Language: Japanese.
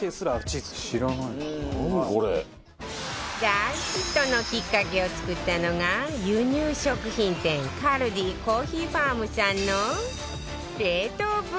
大ヒットのきっかけを作ったのが輸入食品店カルディコーヒーファームさんの